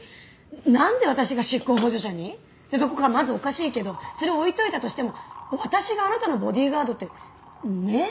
なんで私が執行補助者に？ってとこからまずおかしいけどそれを置いといたとしても私があなたのボディーガードってねえ？